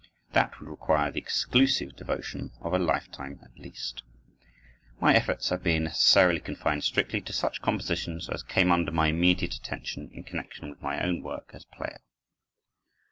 That would require the exclusive devotion of a lifetime at least. My efforts have been necessarily confined strictly to such compositions as came under my immediate attention in connection with my own work as player.